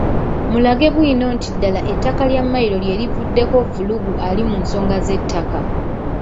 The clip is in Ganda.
Mulage bwino nti ddala ettaka lya Mmayiro lye livuddeko vvulugu ali mu nsonga z’ettaka.